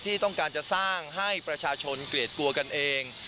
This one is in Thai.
ที่ต้องการจะสร้างให้ประชาชนเกลียดกลัวกันเอง